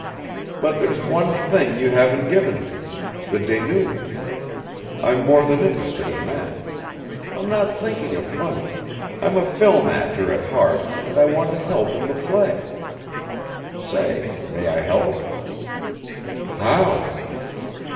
But there's one thing you haven't given me the dénouement. I'm more than interested in that. I'm not thinking of money, I'm a film actor at heart and I want to help in the play. Say, may I help?" "How?"